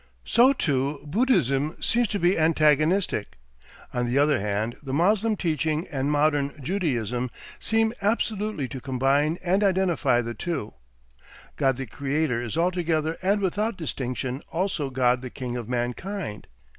So, too, Buddhism seems to be "antagonistic." On the other hand, the Moslem teaching and modern Judaism seem absolutely to combine and identify the two; God the creator is altogether and without distinction also God the King of Mankind.